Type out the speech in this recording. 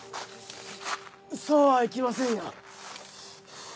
そうはいきませんよ。